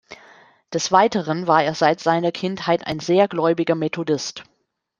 Des Weiteren war er seit seiner Kindheit ein sehr gläubiger Methodist.